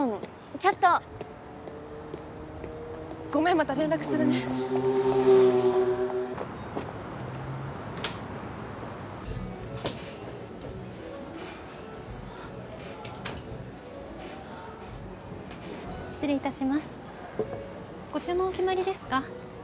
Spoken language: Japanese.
ちょっとごめんまた連絡するね失礼いたしますご注文お決まりですか？